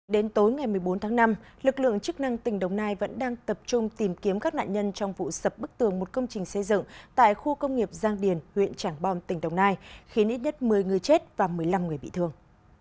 đến tối ngày một mươi bốn tháng năm lực lượng chức năng tỉnh đồng nai vẫn đang tập trung tìm kiếm các nạn nhân trong vụ sập bức tường một công trình xây dựng tại khu công nghiệp giang điền huyện trảng bom tỉnh đồng nai khiến ít nhất một mươi người chết và một mươi năm người bị thương